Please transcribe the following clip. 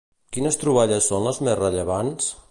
Quines troballes són les més rellevants?